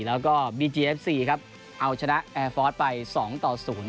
แล้วก็บีจีเอฟซีครับเอาชนะแอร์ฟอร์สไปสองต่อศูนย์